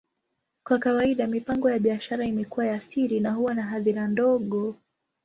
Kwa kawaida, mipango ya biashara imekuwa ya siri na huwa na hadhira ndogo.